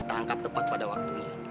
terangkap tepat pada waktunya